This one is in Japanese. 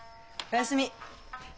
おやすみ。